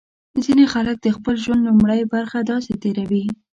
ځینې خلک د خپل ژوند لومړۍ برخه داسې تېروي.